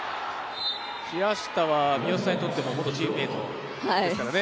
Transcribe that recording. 平下は三好さんにとっても元チームメートですからね。